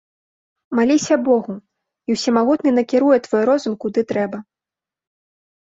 Маліся богу, і ўсемагутны накіруе твой розум, куды трэба.